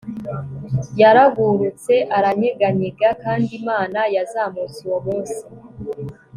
yaragurutse, aranyeganyega kandi imana, yazamutse uwo munsi